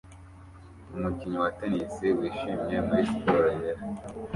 Umukinnyi wa tennis wishimye muri siporo yera